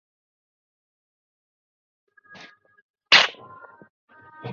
সাধারণত সিংহাসনে আসীন কোন সুলতানের জীবিত মায়েরা এই উপাধি ব্যবহারের সুযোগ পান।